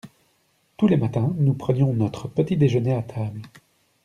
Tous les matins nous prenions notre petit-déjeuner à table.